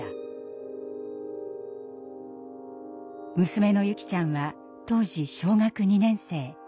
娘の優希ちゃんは当時小学２年生。